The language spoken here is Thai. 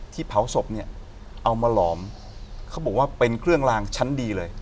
เผาศพเนี่ยเอามาหลอมเขาบอกว่าเป็นเครื่องลางชั้นดีเลย